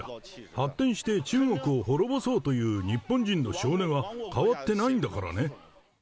発展して中国を滅ぼそうという日本人の性根は変わってないんだからね。